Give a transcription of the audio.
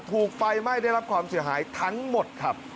ถูกไฟไหม้ได้รับความเสียหายทั้งหมดครับ